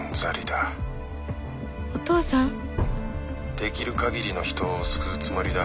☎できる限りの人を救うつもりだ